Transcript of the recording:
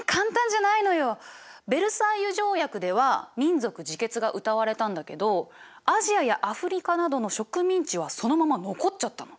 ヴェルサイユ条約では民族自決がうたわれたんだけどアジアやアフリカなどの植民地はそのまま残っちゃったの。